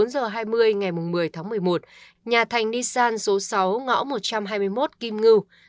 một mươi bốn giờ hai mươi ngày một mươi tháng một mươi một nhà thành nissan số sáu ngõ một trăm hai mươi một kim ngư